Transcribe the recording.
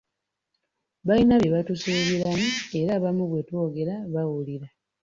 Balina bye batusuubiramu era abamu bwe twogera bawulira.